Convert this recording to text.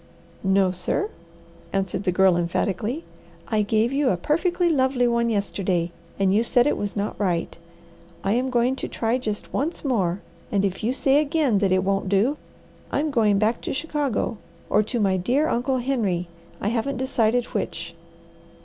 "No sir," answered the Girl emphatically. "I gave you a perfectly lovely one yesterday, and you said it was not right. I am going to try just once more, and if you say again that it won't do, I'm going back to Chicago or to my dear Uncle Henry, I haven't decided which."